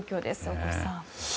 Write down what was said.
大越さん。